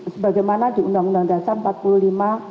sebagaimana di undang undang dasar empat puluh lima tahun